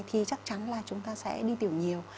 thì chắc chắn là chúng ta sẽ đi tiểu nhiều